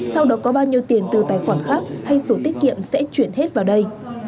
sau đó có bao nhiêu tiền từ tài khoản khác hay sổ tiết kiệm sẽ chuyển hết vào đây